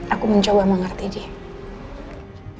aku mencoba mengerti dia